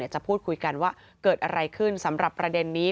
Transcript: จะพูดคุยกันว่าเกิดอะไรขึ้นสำหรับประเด็นนี้